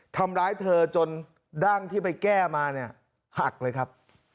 ทำร้ายเธอจนดั้งที่ไปแก้มาเนี่ยหักเลยครับ